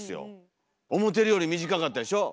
思てるより短かったでしょ？